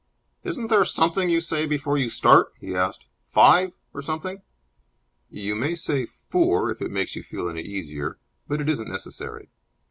"Isn't there something you say before you start?" he asked. "'Five', or something?" "You may say 'Fore!' if it makes you feel any easier. But it isn't necessary."